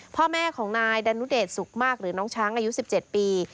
พ่อแม่ของนายดานุเดชสุขมากหรือน้องช้างอายุ๑๗ปี